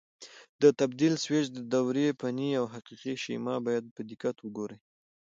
د تبدیل سویچ دورې فني او حقیقي شیما باید په دقت وګورئ.